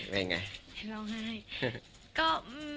ว่าไง